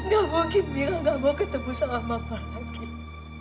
gak mungkin mira gak mau ketemu sama papa lagi